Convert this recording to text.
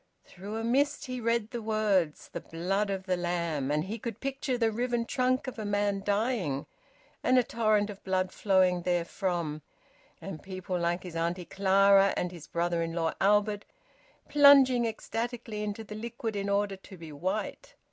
Through a mist he read the words "The Blood of the Lamb," and he could picture the riven trunk of a man dying, and a torrent of blood flowing therefrom, and people like his Auntie Clara and his brother in law Albert plunging ecstatically into the liquid in order to be white.